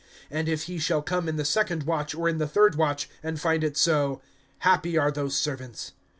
(38)And if he shall come in the second watch, or in the third watch, and find it so, happy are those servants.